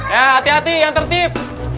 ya hati hati yang tertib